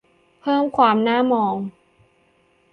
เพิ่มความน่ามอง